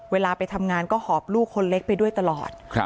เวลาไปทำงานก็หอบลูกคนเล็กไปด้วยตลอด